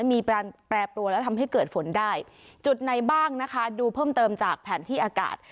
มีแปรปรวนและทำให้เกิดฝนได้จุดไหนบ้างนะคะดูเพิ่มเติมจากแผนที่อากาศ